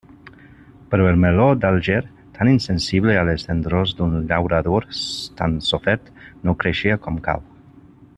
Però el meló d'Alger, tan insensible a les tendrors d'un llaurador tan sofert, no creixia com cal.